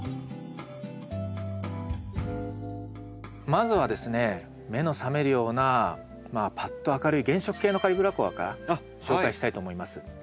まずはですね目の覚めるようなパッと明るい原色系のカリブラコアから紹介したいと思います。